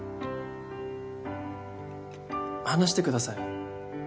話してください。